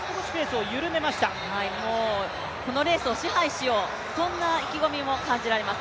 このレースを支配しよう、そんな意気込みも感じられます。